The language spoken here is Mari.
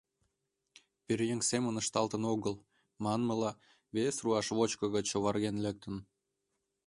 Пӧръеҥ семын ышталтын огыл, манмыла, вес руашвочко гыч оварген лектын.